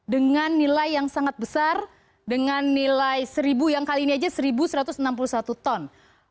dengan nilai yang sangat besar dengan nilai seribu yang kali ini saja seribu satu ratus enam puluh satu ton